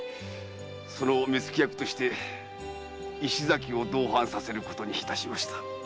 その目付役として石崎を同伴させることにいたしました。